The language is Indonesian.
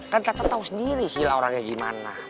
kan tata tau sendiri stila orangnya gimana